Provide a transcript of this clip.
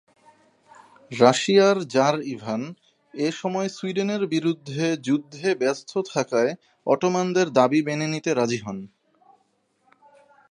রাশিয়ার tsar Ivan এসময় সুইডেনের বিরুদ্ধে যুদ্ধে ব্যস্ত থাকায় অটোমানদের দাবি মেনে নিতে রাজি হন।